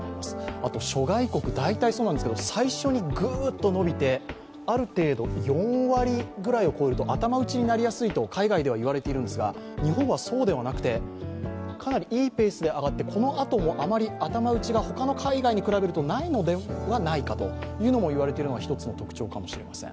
あと諸外国、大体そうなんですけれども、最初にグッと伸びてある程度、４割ぐらいを超えると頭打ちになりやすいと海外では言われているんですが、日本はそうではなくてかなりいいペースで上がって、このあともあまり頭打ちが、他の、海外に比べるとないのではないかといわれているのが一つの特徴かもしれません。